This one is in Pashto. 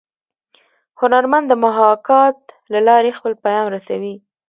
هنرمن د محاکات له لارې خپل پیام رسوي